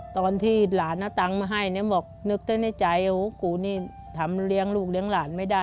ตอนที่หลานเอาตังค์มาให้เนี่ยบอกนึกได้ในใจกูนี่ทำเลี้ยงลูกเลี้ยงหลานไม่ได้